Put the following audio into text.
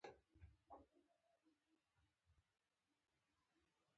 د مستو غوږونه څک شول پوه شوه.